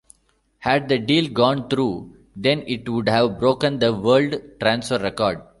Had the deal gone through, then it would have broken the world transfer record.